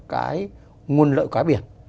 cái nguồn lợi cá biển